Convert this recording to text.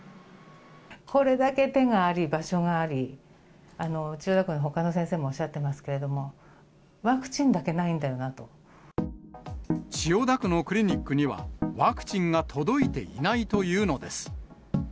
これだけ手があり、場所があり、千代田区のほかの先生もおっしゃってますけど、ワクチンだけない千代田区のクリニックには、ワクチンが届いていないというのです。